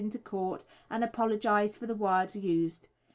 into court, and apologised for the words used.